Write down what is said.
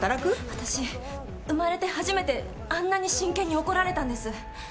私生まれて初めてあんなに真剣に怒られたんです。